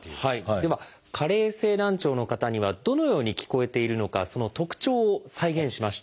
では加齢性難聴の方にはどのように聞こえているのかその特徴を再現しましたので。